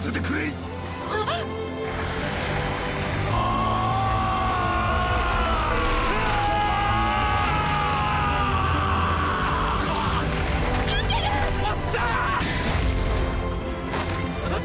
あっ。